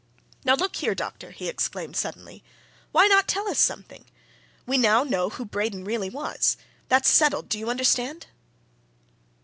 "Now look here, doctor!" he exclaimed, suddenly. "Why not tell us something? We know now who Braden really was! That's settled. Do you understand?"